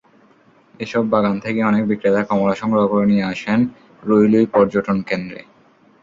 এসব বাগান থেকে অনেক বিক্রেতা কমলা সংগ্রহ করে নিয়ে আসেন রুইলুই পর্যটনকেন্দ্রে।